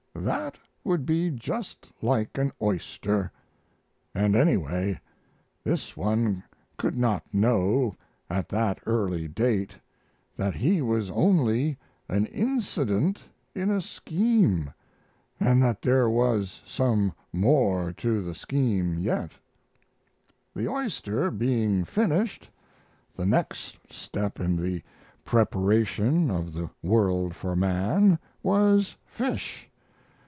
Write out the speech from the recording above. That would be just like an oyster, and, anyway, this one could not know at that early date that he was only an incident in a scheme, and that there was some more to the scheme yet. "The oyster being finished, the next step in the preparation of the world for man was fish.